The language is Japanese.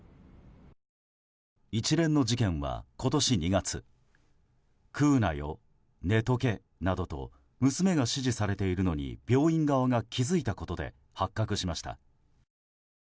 一連の事件は今年２月食うなよ、寝とけなどと娘が指示されているのに病院側が気付いたことで発覚しました。